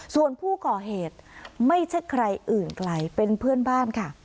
ส่วนผู้ก่อเหตุไม่ใช่ใครอื่นไกลเป็นเพื่อนบ้านค่ะ